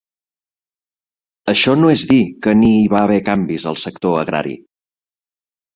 Això no és dir que ni hi va haver canvis al sector agrari.